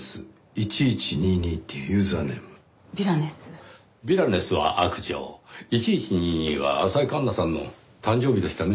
「１１２２」は浅井環那さんの誕生日でしたね。